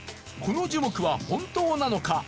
この樹木は本当なのか？